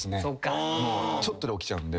ちょっとで起きちゃうんで。